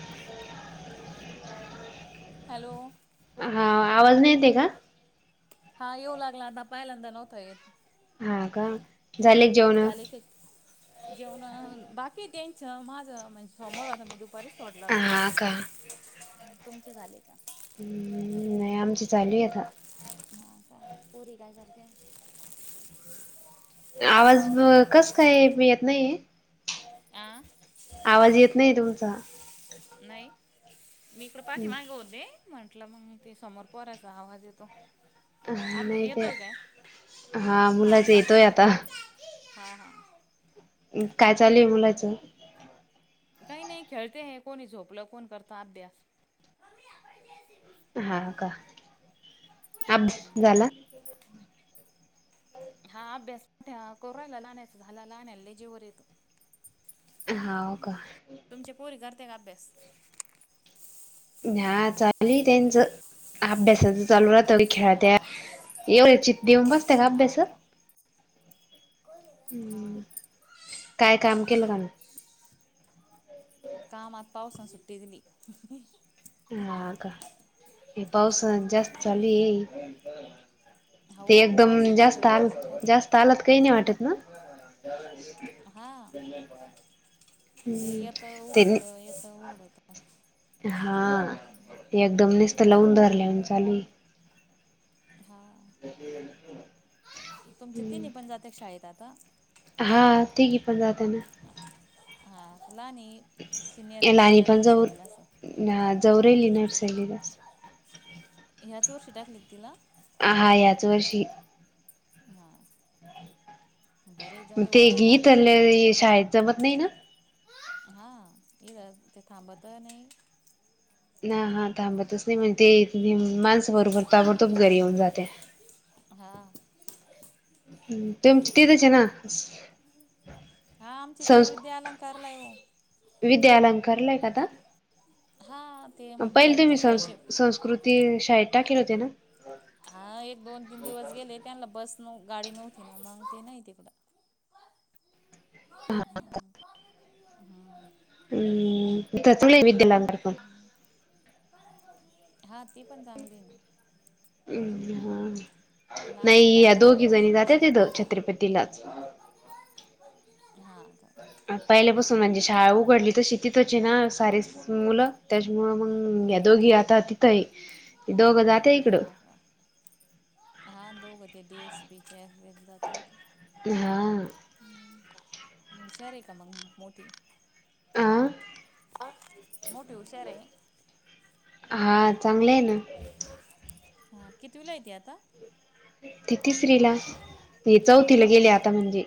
[inaudible] Hello! हा आवाज नाही येते का? हा येऊ लागला आता पाहिल्यांदा नव्हतं येत. हा का झाले एक जेवण? एक जेवण बाकी त्यांच माझं म्हण समोर होता मी दुपारीच सोडला आता हा का तुमचे झाले का ह् नाही आमची चालू आता पुरी गाय करते आवाज कस काय येत नाहीय आं आवाज येत नाही तुमचा नाही मी इकड पाठी माग होते दे म्हंटलं मग ते समोर परायचा आवाज येतो हा आता नाही येतो ते काय हा आता हा हा काय चालय मुलायचं काही नाही खेळते हे कोणी झोपलं कोण करत अभ्यास हा का अ झाला हा अभ्यास कोरायला लाहानायच झाला लाहानायला ल जेवर येतो हा का तुमचे पोरी करते का अभ्यास हा चालू त्यांचं अभ्यासाच चालू राहतं खेळाात हा एवढे चितती येऊन बसतेय का अभ्यास हा हम्म काय काम केलं का नाही काम आता पावसाात सुट्टी दिली ह का पावस जास्त झाचाली ते हो एकदम पावसाना जास्त आल धडकच आहे पण जास्त आलात काही नाही वाटत ना हा [unintelligible] ते हम्म येतं ते उघडत येतं उघडत हा ते एकदम नसत लावून धरले चाली हा ह ह तुमचे तिन् पण जाते शाळेत आता हा ते घी पण जात आहे ना हां ला नाही सिनियर के याला आणि जीला पण जाऊ नर्सरीला सर जवरेली नर्सली दस ह्या चोर शिटाक लिखतीलला आ हा याच वर्षी ह बरेच जाऊन ते ओळण लागत तेवढं इथले शाळेत जमत नाही ना हा ये ते थांबत नाही ह हा थांबतच नाही म्हण ते माणस बरोबर ताबडतोब घरी येऊन जाते हा तेमची तथच ना हा आमचे ते संस् विद्यालांकारलाय विद्या अलंकारलाय काता हा ते म्हणत्या पहिले तुम्ही त्या सं शाळेचे संस्कृती ते शाळेत टाकलं होते ना हा एक दोन तीन दिवस गेले त्यांना बस न गाडी नव्हती ना मग ते नाही तिकडं हम्थ तुले विद्यलांतर पण हा ती पण चांगली ना हम् लहान नाही या अटाकला गेल्या दोघी जणी जाते वर्षीपासून तथं छत्रपतीलाच हा का पहिल्यापासून म्हणजे शाळा उघडली तर शेतीतच ना सार मुलं त्याच्यामुळे मंग या दोघी हा आता तिथं आहे दोघं जातं इकडं. हा का हा दोघं ते डी एस पी चे जाते ना ते. हा. हम्म हुशार आहे का मग मोठी? आ मोठी हुशार आहे. हा चांगलं आहे ना. हा कितवीला आहे ती आता? ती तिसरीला. ती हा चौथीला गेली का आता म्हणजे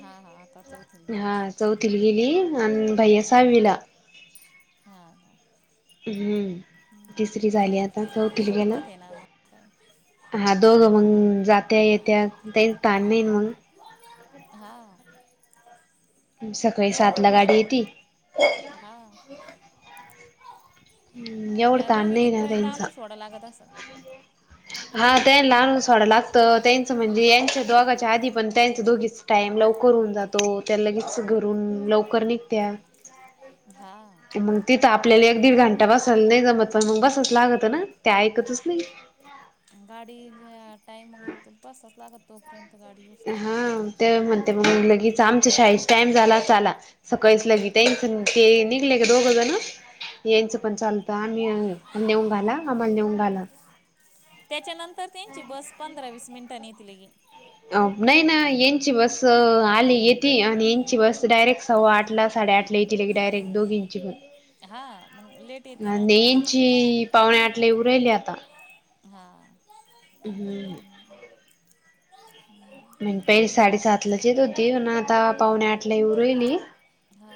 हा हा आता चौथ हा चौथीला गेली आणि भैय्या सहावीला. हा हा. हम्म तिसरी हम्म, झाली बरं आता ते चौथीला गेला. सोबत आहे ना मग काय. हा दोघं मग जात्या-येत्या. हा हा. सकाळी यांना सात ला उभा गाडी येते. राहा हा. हम्म. या दोघीली इथपर्यंत आणून सोडं लागत असं. हा त्यां लहानून सोडं लागतं त्यांचं म्हणजे यांच दोघाच्या आधी पण त्यांचं दोघीच टाइम लवकर होऊन जातो त्या लगेच घरून लवकर निघत्या. हा. मग तिथं आपल्याला एक दीड घंटा बसायला नाय जमत पण मग बसच लागत ना ते ऐकतच नाही. गाडी ज टाइमंगत बसच लागत तोपर्यंत गाडी येऊज तर. हा ते म्हणते मग लगेच आमच्या शाळेचा टाइम झाला चाला. सकाळीस लगी [unintelligible] हा ते निघले ग दोघं जणं हा यांचा हा पण चालतं आम्ही अ नेऊ न घाला हा आम्हाला नेऊन घाला. त्याच्यानंतर त्यांची बस पंधरा वीस मिनटाने येतील गे. अ नाही ना यांची बस आली येते आणि यांची बस डायरेक्ट सवा आठला, साडे आठला येेतील डायरेक्ट दोघींची ब हा मग लेट येते ना आणि त्यांची यांची पावणे आठला उरयली आता. हा. हम्म. म्हण ते साडेसातलाच येत होती पण आता पाऊणे आठला येऊरेली. हा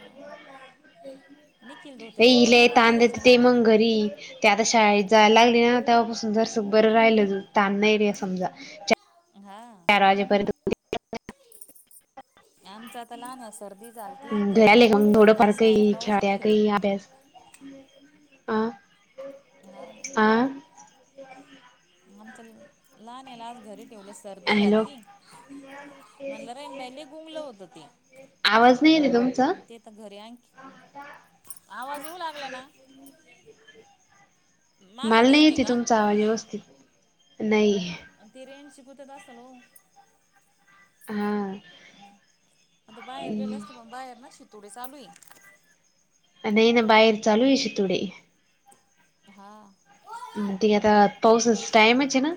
निखिल धोतरीस हिला पोरगा पण ताण तिथंच देत आहे ते ना. मग घरी ते आता शाळेत जायला लागलीय तेव्हापासून जरस बरं राहिलं ताण नाही री समजा च हा. राजे पर्यंत आमचं आता लहान आहे सर्दी चालते घरी आले ठेवलं मग ते थोडं फार गास साऱ्या काही पावसच खेळत्या खेळलं. काही अभ्यास अ हा अ आमच्या लहान ह्याला आज घरी ठेवलस. सर्दी हॅलो झालती म्हणलं रे बई लई गुंगलं होतं ते. आवाज नाय आली तुमचा. आणि ते तर आणखी आवाज येऊ लागला ना? मला नाही येते तुमचा आवाज व्यवस्थित नाही. आणि ते रेंजची गुतथ असल हो. हा. हम्म, आता बाहेर गेले असते पण बाहेर ना शितुडी चालूयी. नाही ना बाहेर चालू आहे शितुडी. हा. त आता पाऊसच टाइमच आहे ना.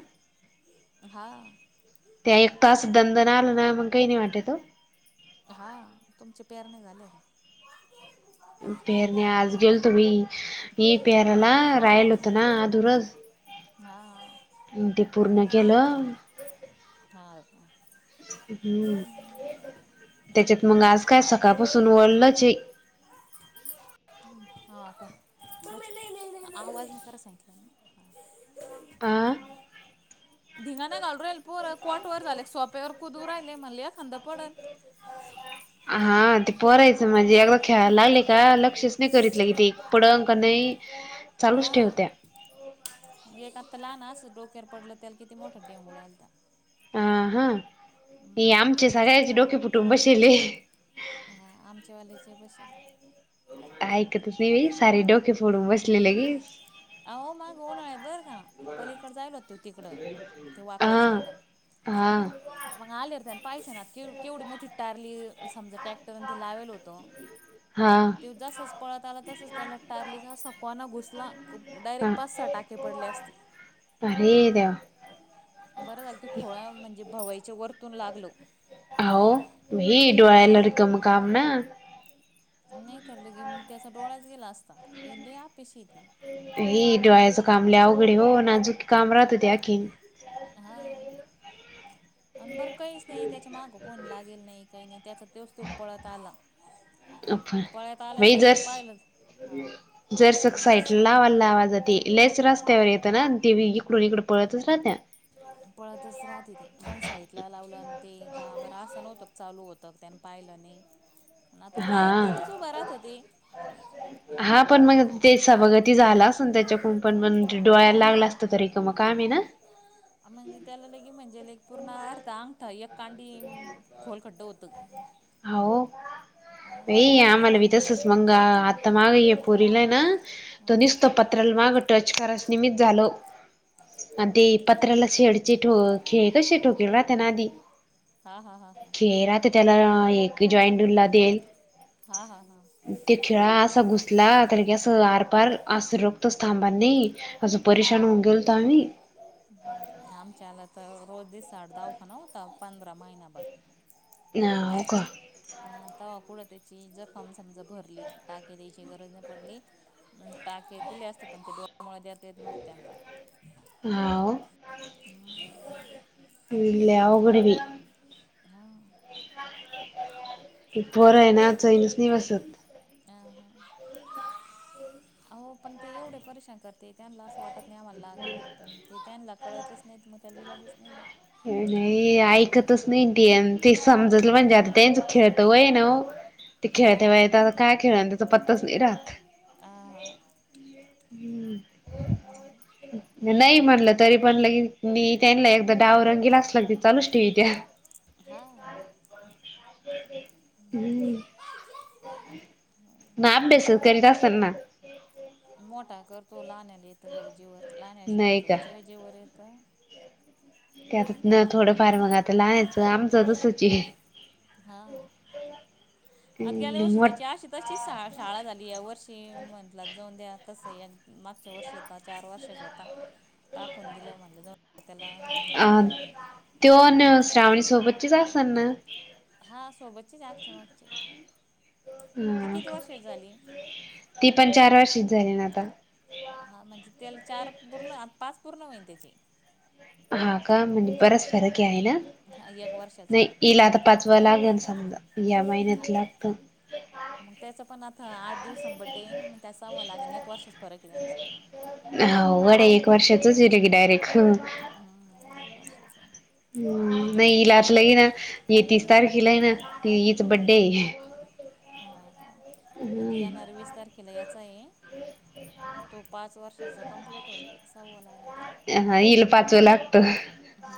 हां. त्या एक तास दंद नाही आला ना मग काही नाही वाटत तो हा तुमचे प्यारने झाले आहे. पेरने आज गेलतो म ह पेरला रायल होतं ना अ दुर हा. ते पूर्ण केलं. हा. हम्म त्याच्यात मग आज काय सकाळपासून ओळलंच आहे. ह आता आवाज करा सांगितलं म पा धिंगाणा घलू राहिलोर कॉट वर झाले सोप्यावर कुदूर राहिले म्हणलेि खांंद पडल ह हा ते परायचं माझे अदा ख्याळायला लागले, का लक्षच नाही करीितलं कि ते पडंग का नाही. अ्ा [unintelligible] हा एक आत्ता लहान असं डोक्यार पडलं त्याला किती मोठं डेंंगूळ आलता. हा हा हे आमचे सगळ्याचे डोके कुटुंबशले आचे वालेचे बसेेन. ऐकतच नाही सारे डोके फोडून बसलेले के अह मगऊनळ बरं का पलीकड जायल होत तिकडं ते हा वाकड्याच्या इकडं हा मग आलेरते आणि पाहिसे ना केवढी मोठी टारली समजा टॅक पण ते लावेल होतो. हा त जसच पळत आला तसच त्याला्टारली सकवान घुसला. डायरेक्ट हा पाच सहा टाके पडले असतील. अरे देवा बरं झालं त थोळ्या म्हणजे भवायच्या वरतून लागल. होई डोळ्याला रकम काम ना. नाही तर लगे मग त्याचा डोळाच गेला असता ये ल या पेशी ती ह डोळ्याचं काम लवघडे हो ना अजूकी काम राहत ते अखीन हा आणि बरं काही नाही त्याच्या मागं कोणी लागेल नाही काही नाही त्याचा तेोच ते पळत आला. अफर आणि पळ्यात आल्या भई जर सरशी पाहिलं हा जर सक्साट जसं लावा. आवाजाते लच रस्त्यावर येतं ना ते इकडून इकड पळतच राहत्या. पळतच राहते ते जण साहितला लावलं आणि ते का ब रान होतं चालू होतं त्या पाहिलं नाही आता कायम त हा रजूभरात होती. हा पण मग ते सभागती झाला ना त्याच्याकून पण मण डोळ्याला लागला हा. असत तरी का मग काम आहे ना. म्हणजे त्याला लगे म्हणजे ल पूर्ण अर्थ अंगठा एक कांडी खोल कडो उत हो. वय हा आम्ही आमला त्याला विध सु मंग आता मायपरलं ना. तो हा निसतो पत्राला माग टचकारस निमित्त झालो आणि हा ते पत्राला शेडचे ठो खेळ क शे ठोकेळ राहातना आधी हा हा हा हा. हरा तर त्याला एक जॉईंडला देईल. हां हां हां. ते खेळा असा घुसला त की असं आरपार असं रक्त थांब नाही. असं हम हम. परेशान होऊन गेलतो आम्ही आमच्याला तर रोज दिसाठ दाख नव्हता पंधरा महिना्याभर ह हो का अ त पुुढं त्याची जखम समजा भरली ताकी त्याची गरज नाही पडली टाके दिले असते पण ते डोळ्या तेत नत त्यांंदा हाव ल होघडवी हा बर आहे नाचैनच नाही बसत अ ह हो पण ते एवढे परशान करते त्यांना असं वाटत नाही आम्हाला लाग आणि पण ते त्यांना कळतच नाही मग त्या लिहिलाच नाही नाही ऐकतच नाही ती ते समजत म्हणजे आता त्यांच खेळत वय ते खेळत व हा येतता काय खेळ आणि त्याचा पत्तच नाही राहात आ हम्म हम् नाही म्हटलं तरी पणलं की नाही त्यांनीला एकदा डावरंगीलाच लाग त चालूच टी व त्या हा हम्म ना अभ्यास करत असेल ना मोठा करतो लाण्याला येतं गडजेवर लाण्या शाळे नाही का? जायचं जेवर येतं त्यात न मोठा थोडंफार मग आता लहायचं आमचं तसची हा आता गेल्या वर्षी मोठ त्याची आ तशी श शाळा झाली या वर्षी म्हटला जाऊन द्या कसं या मागच्या वर्षी होता चार वर्षच होता टाकून दिलं माझलं ज त्याला समजा हेव त ना श्रावणी सोबतचीच असन ना हा सोबतचेच आगते मगचे ती हा किती का वर्ष आहेत झाली ती पण चार वर्षीच झाली. त्याला चार पाच पूर्ण होईन. हो का म्हणजे बराच फरक आहे. ना हा एक वर्षाचा नही. इलात पाचवं आता लागलं समजा. हा मेहनत लागत त्याचं पण बर्थडे आठ दिवसांनी येईल. एक वर्षाचा फरक आहे. त्यांच्यात हा वड आहे. एक वर्षाच येरे डायरेक्ट. हा एक वर्षाचा आहे. नाही इलात लगी ना ये तीस तारखेला आहे ना हच बड्डे [unintelligible] हा का आता येणारऱ्या वीस तारखेला याचाहे. तो पाच वर्षाचा कंप्लीट होईल. सावं लागल त्याला. हिला पाचवं लागतं. हा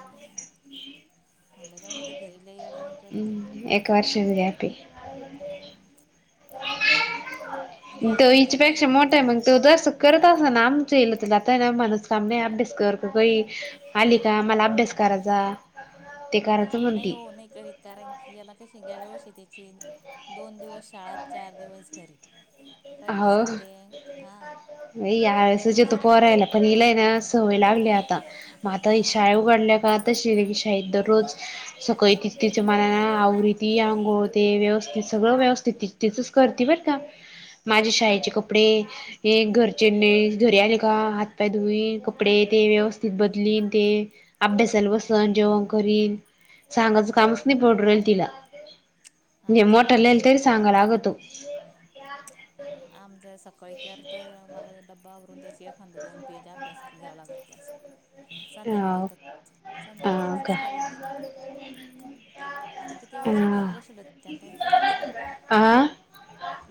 म्हणलं जाऊन तिथे घरीलाड करते हम्म एक हम वर्षाच गॅप हा [unintelligible] म्हणजे याला तो द्यायचं त्याला नाही तिच्यापेक्षा मोठा आहे. करत असत ना आम तेल तर जातताय ना माणूस कामने बिसकवर आली का मला अभ्यास करायचा ते करायचं नाही म्हणती हो नाही करीत कारण की याला कशी गेल्या वर्षी त्याची दोन दिवस शाळात चार दिवस घरी काही अस सन ते हां यावेळेस गेल्या जेतो वर्षी तो पो रायला पण हलाय ना सवय लागली आता आता हां शाळे उघडल्या काळातश की शाळेत हां दररोज [unintelligible] सकळी तिच ति आंघोळ पांगुळ करते. व्यवस्थित [unintelligible] माझे शाळेचे कपडे. हे घरचेघरी आले. का हातपाय नवीन कपडे ते व्यवस्थित बदलील अभ्यासाला हां बसेल जेवण करेल तिला सांगायचं कामच नाही पडत. आमच्यावाला ताई मोठ्यांना सांगावं लागतं आमचा सकाळ क अर्थ मला डब्बावरून त्याचे एखादा दोन पियाचा अभ्यास घ्यावा [unintelligible] अ संध्याकाळी तसं करीत मी. ह [unintelligible] आता किती वेळघेऊन बसेन होते मी आ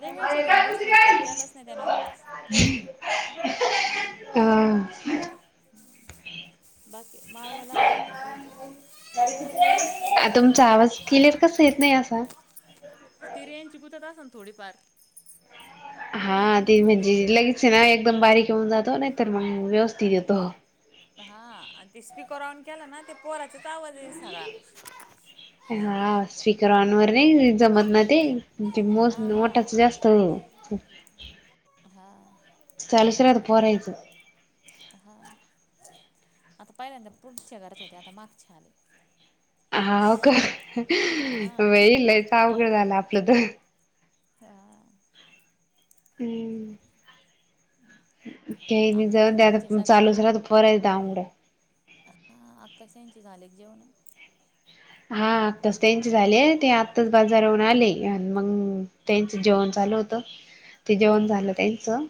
लई वेळचे घेऊन बसल होत. मी त्यान अभ्यास केला नाही. हा सं हं बाकी माळव लावेल. आहे. तुमचा आवाज केलेर कस येत नाही असा [unintelligible] थोडीफार रेंज येत नाही. हा ते म्हणजे. लगेच एकदम बारीक येऊन जातो नाहीतर व्यवस्थित येऊन जातो. हा ते स्पीकर ऑन केला. ना पोरांचा आवाज येतो सगळा. हा स्पीकर ऑन वरनाही जमत ते. ते हा हा मोठाच जास्त. हा सलचर अ परायच [unintelligible] हहा आता पहिल्यांदा पुढच्या घरच होते. आता मागच्या घरात आले. हा हा बाई अवघडं झालं. आपलं तर हा हम्म अ [unintelligible] ते जाऊंदे त्यांचे आता सगळं चालूच राहतो. पोरांचा अवघड हे आत्ताच त्यांचे झाले जेवण हा त्यांचे झाले. आतच बाजारवरून आले आणि मग त्यांच जेवण चालू होतं ते जेवण हा झालं का त्यांचं